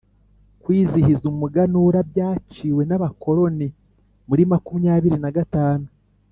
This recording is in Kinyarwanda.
Kwizihiza umuganura byaciwe n’abakoroni muri makumyabiri na gatanu.